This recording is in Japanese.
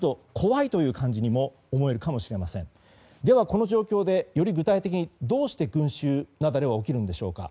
この状況でより具体的にどうして群衆雪崩は起きるんでしょうか。